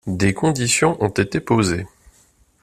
Des conditions ont été posées.